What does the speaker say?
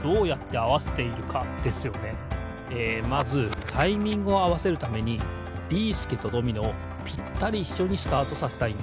まずタイミングをあわせるためにビーすけとドミノをぴったりいっしょにスタートさせたいんです。